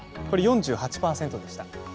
これ４８％でした。